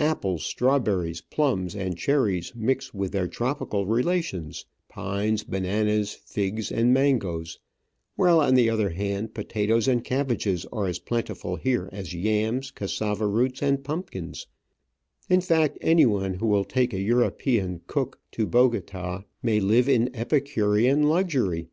Apples, strawberries, plums, and cherries mix with their tropical relations — pines, bananas, figs, and mangoes ; while, on the other hand, potatoes and cabbages are as plentiful here as yams, cassava roots, and pumpkins — in fact, anyone who will take a European cook to Bogota may live in Epicurean luxury.